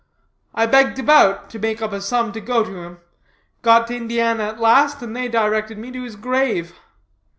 I begged about, to make up a sum to go to him; got to Indiana at last, and they directed me to his grave.